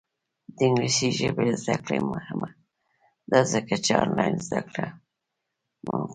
د انګلیسي ژبې زده کړه مهمه ده ځکه چې آنلاین زدکړه ممکنه کوي.